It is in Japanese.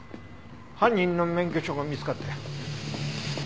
犯人の免許証が見つかったよ。